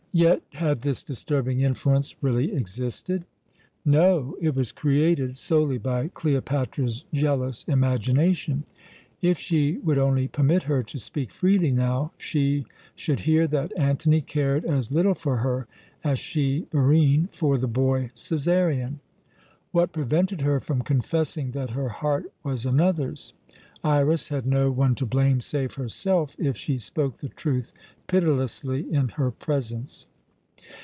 Yet, had this disturbing influence really existed? No. It was created solely by Cleopatra's jealous imagination. If she would only permit her to speak freely now, she should hear that Antony cared as little for her as she, Barine, for the boy Cæsarion. What prevented her from confessing that her heart was another's? Iras had no one to blame save herself if she spoke the truth pitilessly in her presence.